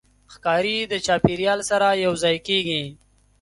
ښکاري د چاپېریال سره یوځای کېږي.